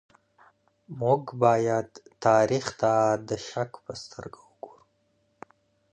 موږ بايد تاريخ ته د شک په سترګه وګورو.